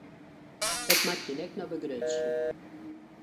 It moat jin ek noch begrutsje.